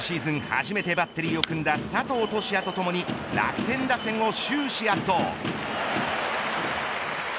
初めてバッテリーを組んだ佐藤都志也とともに楽天打線を終始圧倒。